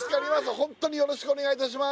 ホントによろしくお願いいたします